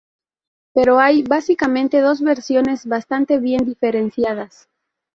Pero hay, básicamente, dos versiones bastante bien diferenciadas.